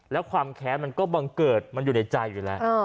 แล้วความแค้นมันก็บังเกิดมันอยู่ในใจอยู่แล้ว